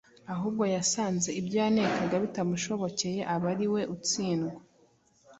ahubwo yasanze ibyo yanekaga bitamushobokeye aba ariwe utsindwa.